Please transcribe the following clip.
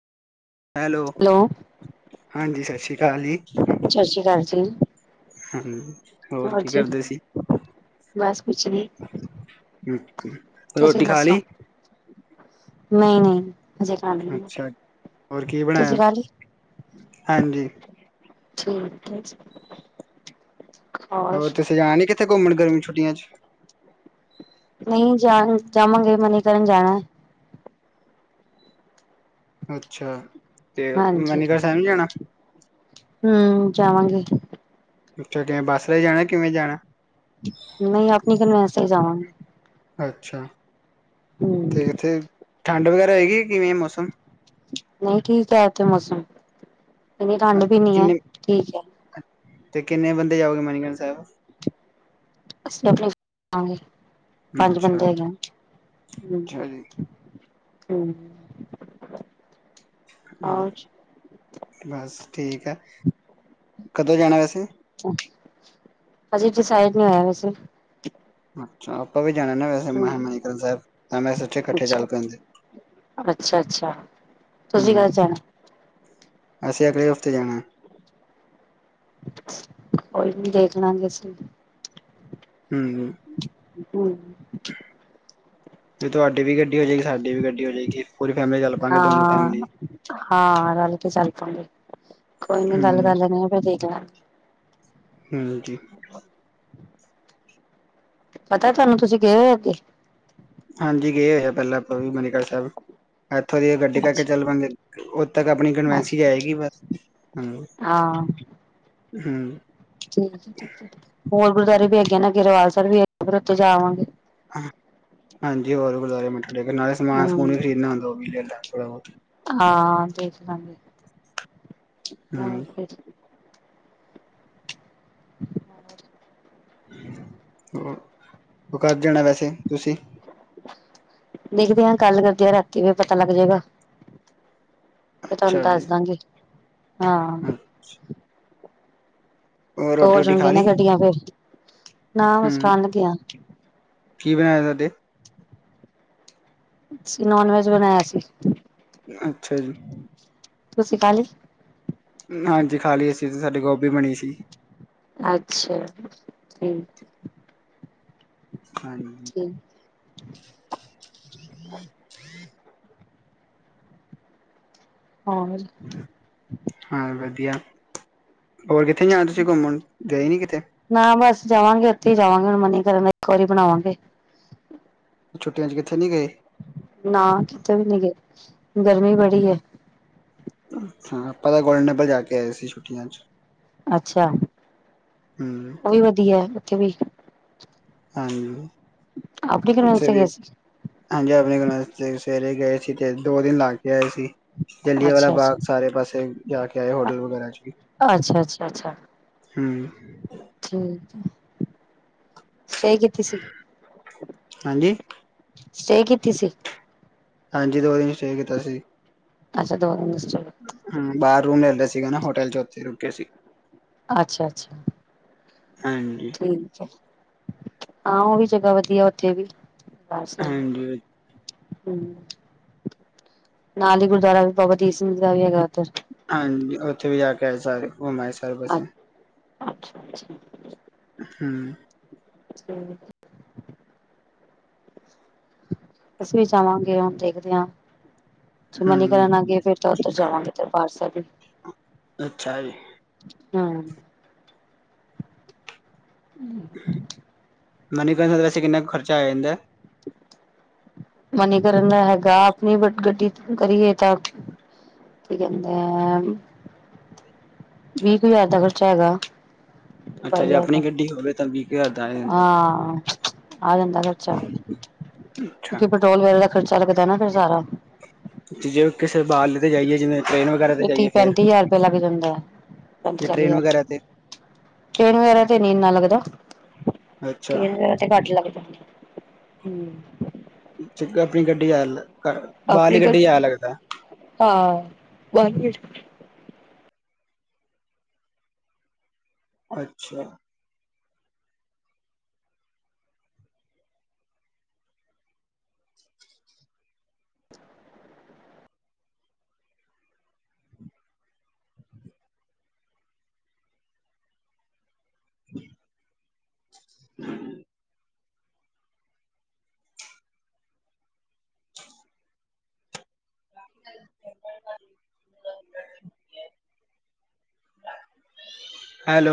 Hello, ਹਾਂਜੀ ਸਤਿ ਸ਼੍ਰੀ ਅਕਾਲ ਜੀ। ਸਤਿ ਸ਼੍ਰੀ ਅਕਾਲ ਜੀ। ਹੂੰ, ਹੋਰ ਕੀ ਕਰਦੇ ਸੀ? ਬਸ ਕੁਛ ਨੀ ਰੋਟੀ ਖਾ ਲਈ। ਨਹੀ ਨਹੀ ਅੱਛਾ। ਹੋਰ ਕੀ ਤੁਸੀਂ ਬਣਾਇਆ? ਖਾ ਲਈ ਹਾਂਜੀ। ਠੀਕ ਹੈ ਜੀ ਹੋਰ ਤੁਸੀਂ ਗਏ ਨੀ ਕਿੱਥੇ ਘੁੰਮਣ ਗਰਮੀ ਦੀ ਛੁੱਟੀਆਂ ਚ। ਨਹੀਂ ਜਾਣ ਜਾਵਾਂਗੇ ਮਨੀਕਰਨ ਜਾਨਾ ਏਂ। ਅੱਛਾ। ਤੇ ਹਾਂਜੀ, ਮਨੀਗੜ੍ਹ ਸਾਹਿਬ ਨੀ ਜਾਣਾ ਹੂੰ ਜਾਵਾਂਗੇ। ਉੱਥੇ ਕਿਵੇਂ ਬੱਸ ਤੇ ਜਾਣਾ, ਕਿਵੇਂ ਜਾਣਾ? ਨਹੀਂ ਅਪਣੀ ਕਨਵੇਂਸ ਤੇ ਹੀ ਜਾਵਾਂਗੇ। ਅੱਛਾ ਹਮ ਤੇ ਇੱਥੇ ਠੰਡ ਵਗੈਰਾ ਹੈਗੀ, ਕਿਵੇਂ ਮੌਸਮ ਨਹੀਂ ਠੀਕ ਏ ਹੈਥੇ ਮੌਸਮ। ਇੰਨੀ ਠੰਡ ਵੀ ਨਹੀਂ ਹੈ ਕਿੰਨੇ ਠੀਕ ਹੈ ਅਤੇ ਕਿੰਨੇ ਬੰਦੇ ਜਾਓਗੇ ਮਣੀਕਰਨ ਸਾਹਿਬ ਅਸੀਂ ਆਪਣੇਾਂਗੇ ਪੰਜ ਅੱਛਾ ਬੰਦੇ ਹੈਗੇ ਹ ਅੱਛਾ ਜੀ ਹਮ ਹੋਰ ਬਸ ਠੀਕ ਹੈ ਕਦੋਂ ਜਾਣਾ ਵੈਸੇ ਹਜੇ ਡਿਸਾਈਡ ਨਹੀਂ ਹੋਇਆ ਵੈਸੇ ਅੱਛਾ ਆਪਾਂ ਵੀ ਜਾਣਾ ਨਾ ਵੈਸੇ ਹਮ ਮਨੀਕਰਨ ਸਾਹਿਬ ਤਾਂ ਮੈਂ ਸੋਚਿਆ ਇਕੱਠੇ ਅੱਛਾ ਚੱਲ ਪੈਂਦੇ। ਅੱਛਾ ਅੱਛਾ, ਤੁਸੀਂ ਕਦ ਜਾਣਾ? ਅੱਛਾ ਅਗਲੇ ਹਫ਼ਤੇ ਜਾਣਾ ਏ। ਕੋਈ ਨੀ, ਦੇਖ ਲਾਂਗੇ ਅਸੀ। ਹੂੰ। ਹੂੰ ਤੇ ਤੁਹਾਡੀ ਵੀ ਗੱਡੀ ਹੋ ਜਾਏਗੀ, ਸਾਡੀ ਵੀ ਗੱਡੀ ਹੋ ਜਾਏਗੀ। ਪੂਰੀ ਫੈਮਲੀ ਚਲ ਪਾ ਗੇਂ। ਦੋਨੋਂ ਹਾਂ ਫੈਮਲੀ ਹਾਂ ਰਲ ਕੇ ਚੱਲ ਪਾਂ ਗੇ। ਕੋਈ ਨੀ ਗੱਲ ਹੂੰ ਕਰ ਲੈਨੇ ਆ ਫੇਰ ਦੇਖ ਲਾਂਗੇ। ਹਾਂਜੀ। ਪਤਾ ਤੁਹਾਨੂੰ। ਤੁਸੀਂ ਗਏ ਹੋ ਅਗੇ। ਹਾਂਜੀ, ਗਏ ਹੋਏ ਆ ਪਹਿਲਾਂ ਆਪਾਂ ਵੀ ਮਨੀਕਰਨ ਸਾਹਿਬ। ਇੱਥੋਂ ਦੀ ਗੱਡੀ ਕਰਕੇ ਅੱਛਾ ਚੱਲ ਪਾਂ ਗੇ, ਓਦ ਤੱਕ ਅਪਣੀ ਕਨਵੈਂਸ ਹੀ ਅੱਛਾ ਜਾਏਗੀ ਬਸ ਹੂੰ। ਹਾਂ। ਹੂੰ। ਹੋਰ ਗੁਰਦੁਆਰੇ ਵੀ ਹੈਗੇ ਨਾ ਅੱਗੇ ਰਵਾਲ ਸਾਹਿਬ ਵੀ ਹੈ, ਫਿਰ ਉੱਥੇ ਜਾ ਆਵਾਂਗੇ। ਹਾਂਜੀ ਹੋਰ ਗੁਰਦੁਆਰੇ ਬੜੇ ਨੇ, ਨਾਲੇ ਸਮਾਨ ਹਮ ਸਮੂਨ ਵੀ ਖਰੀਦਣਾ ਹੁੰਦਾ, ਔਵੀ ਲੈ ਲਾਂਗੇ ਥੋੜਾ ਬਹੁਤ ਹਾਂ, ਦੇਖ ਲਾਂਗੇ ਹੋਰ ਹੂੰ ਕੀ [inaudible] [unintelligible] ਹੂੰ, ਉਹ ਕਦ ਜਾਣਾ ਵੈਸੇ ਤੁਸੀ? ਦੇਖਦੇ ਹਾਂ, ਗੱਲ ਕਰਦੇ ਰਾਤੀ ਫੇਰ, ਪਤਾ ਲੱਗ ਜਾਏਗਾ। [inaudible] [unintelligible] ਤੇ, ਤੁਹਾਨੂੰ ਜੀ ਦੱਸ ਦਾਂਗੀ, ਹਾਂ। [inaudible] [inaudible] ਹੋਰ ਦੋ, ਰੋਟੀ ਹੋ ਰੂਟੀ ਖਾ ਜਾਣਗੀਆਂ ਲਈ ਨਾ ਗੱਡੀਆਂ ਫੇਰ, ਨਾ ਬਸ ਹੂੰ ਜਾਣ ਲਗੇ ਆਂ। ਕੀ, ਬਣਾਯਾ ਤੁਹਾਡੇ? ਅਸੀ ਨਾੱਨ- ਵੈਜ ਬਣਾਇਆ ਸੀ। ਅੱਛਾ ਜੀ। ਤੁਸੀਂ ਖਾ ਲਈ। ਹਾਂਜੀ, ਖਾ ਲੀ ਅਸੀਂ, ਤੇ ਸਾਡੀ ਗੋਭੀ ਬਣੀ ਸੀ। ਅੱਛਾ, ਠੀਕ ਹੈ ਹਾਂਜੀ। ਠੀਕ ਹੋ ਮਿਸ ਹਾਂ ਵਧੀਆ, ਹੋਰ ਕਿੱਥੇ ਜਾਣਾ ਤੁਸੀਂ ਘੁੰਮਣ, ਗਏ ਨੀ ਕਿਤੇ? ਨਾ ਬਸ ਜਾਵਾਂਗੇ, ਉੱਥੇ ਹੀ ਜਾਵਾਂਗੇ ਹੁਣ ਮਨੀਕਰਨ ਉੱਥੋਂ ਦੀ, ਬਣਾਵਾਂਗੇ। ਛੁੱਟੀਆਂ 'ਚ ਕਿਤੇ ਨੀ ਗਏ? ਨਾ, ਕਿਤੇ ਵੀ ਨੀ ਗਏ, ਗਰਮੀ ਬੜੀ ਏ। ਅੱਛਾ, ਆਪਾਂ ਤਾਂ ਗੋਲਡਨ ਟੈਂਪਲ ਜਾ ਕੇ, ਆਏ ਸੀ ਛੁੱਟੀਆਂ 'ਚ। ਅੱਛਾ, ਹੂੰ ਉਹ ਵੀ ਵਧੀਆ ਉੱਥੇ ਵੀ ਹਾਂਜੀ, ਆਪਣੀ ਕਨਵੈਂਸ ਅੱਛਾ ਤੇ ਜੀ। ਗਏ ਸੀ ਹਾਂਜੀ, ਅਗਲੇ ਦਿਨ ਅਸੀਂ ਸਵੇਰੇ ਗਏ ਸੀ। ਤੇ ਦੋ ਦਿਨ ਲਾ ਕੇ ਆਏ ਸੀ। ਜਲਿਆਂਵਾਲਾ ਅੱਛਾ ਬਾਗ਼ ਅੱਛਾ ਸਾਰੇ ਪਾਸੇ, ਜਾ ਕੇ ਆਏ ਹੋਟਲ ਵਗੈਰਾ 'ਚ ਵੀ। ਅੱਛਾ, ਅੱਛਾ, ਅੱਛਾ। ਹੂੰ। ਹੂੰ, ਸਹੀ ਕੀਤੀ ਸੀ। ਹਾਂਜੀ ਸਟੇਅ ਕੀਤੀ ਸੀ। ਹਾਂਜੀ, ਦੋ ਦਿਨ ਸਟੇਅ ਕੀਤਾ ਸੀ। ਅੱਛਾ ਦੋ ਨੂੰ ਮਿਚੜ। [inaudible] ਹੂੰ, ਬਾਹਰ ਰੂਮ ਲੈ ਲਿਆ ਸੀਗਾ ਨਾ, ਹੋਟਲ 'ਚ ਉੱਥੇ ਰੁਕ ਗਏ ਸੀ। ਅੱਛਾ -ਅੱਛਾ ਹਾਂਜੀ। ਠੀਕ ਹੈ। ਹਾਂ, ਉਹ ਵੀ ਜਗਾ ਵਧੀਆ, ਉੱਥੇ ਵੀ ਬੱਸ ਸਟੈਂਡ। ਹਾਂਜੀ ਹੂੰ, ਨਾਲ ਹੀ ਗੁਰਦੁਆਰਾ ਵੀ ਬਾਬਾ ਦੀਪ ਸਿੰਘ ਜੀ ਦਾ ਵੀ, ਹੈਗਾ ਉੱਥੇ। ਹਾਂਜੀ, ਉੱਥੇ ਵੀ ਜਾ ਕੇ ਆਏ, ਸਾਰੇ ਘੁੰਮ ਆਏ ਸਾਰੇ ਪਾਸੇ। ਅੱਛਾ ਅੱਛਾ। ਹੂੰ। ਅੱਛਾ, ਜੀ। ਅਸੀਂ ਵੀ ਜਾਵਾਂਗੇ, ਹੁਣ ਦੇਖਦੇ ਹਾਂ ਜੇ ਮਨੀਕਰਨ, ਨਾ ਹੂੰ ਗਏ ਫੇਰ। ਫੇਰ, ਉੱਧਰ ਜਾਵਾਂਗੇ, ਦਰਬਾਰ ਸਾਹਿਬ ਵੀ। ਅੱਛਾ ਜੀ। ਹੂੰ। ਹੂੰ। [inaudible] ਮਨੀਕਰਨ ਦਾ ਵੈਸੇ, ਕਿੰਨਾ ਕੁ ਖਰਚਾ ਆ ਜਾਂਦਾ। ਮਨੀਕਰਨ, ਦਾ ਹੈਗਾ ਜੇ ਗੱਡੀ ਕਰੀਏ ਤਾ ਕੀ ਕਹਿੰਦੇ ਆ, ਵੀਹ ਕੁ ਹਜ਼ਾਰ ਦਾ ਖ਼ਰਚਾ ਹੈਗਾ। ਹਾਂ। [inaudible] [unintelligible] ਅੱਛਾ, ਬਾਈ ਜੇ ਹਜ਼ਾਰ ਦਾ ਆਪਣੀ ਗੱਡੀ ਹੋਵੇ ਤਾਂ, ਵੀਹ ਕੁ ਹਜ਼ਾਰ ਦਾ ਆ ਜਾਂਦਾ। ਹਾਂ ਆ ਜਾਂਦਾ ਖਰਚਾ ਅੱਛਾ ਕਿਉਂਕਿ ਪੈਟਰੋਲ ਵਗੈਰਾ ਦਾ ਖਰਚਾ ਲੱਗਦਾ ਫਿਰ ਸਾਰਾ। ਜੇ ਕਿਸੇ ਬਾਹਰਲੇ ਤੇ ਜਾਈਏ ਜਿਵੇਂ। ਟ੍ਰੇਨ ਵਗੈਰਾ ਤੇ ਫਿਰ ਜਾਈਏ ਤੀਹ ਫੇਰ ਪੈਂਤੀ ਹਜ਼ਾਰ ਰੁਪਇਆ ਲੱਗ ਜਾਂਦਾ ਹੈ। ਪੈਂਤੀ ਜੇ ਚਾਲੀ ਟ੍ਰੇਨ ਹਜ਼ਾਰ ਵਗੈਰਾ ਤੇ ਟਰੇਨ ਵਗੈਰਾ ਤੇ ਨੀ ਇੰਨਾ ਲੱਗਦਾ ਅੱਛਾ ਟਰੇਨ ਵਗੈਰਾ। ਤੇ ਘੱਟ ਲੱਗ ਆ ਹੂ। ਜਿਦਾਂ ਆਪਣੀ ਗੱਡੀ ਐਲ ਬਾਹਰ ਲੀ ਗੱਡੀ ਜ਼ਿਆਦਾ ਲੱਗਦਾ ਹੈ। ਹਾਂ ਬਾਹਰਲੀ ਅੱਛਾ। [inaudible] [inaudible] [inaudible] ਹੈਲੋ।